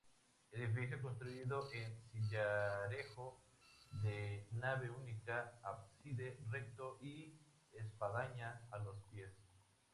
Edificio construido en sillarejo, de nave única, ábside recto y espadaña a los pies.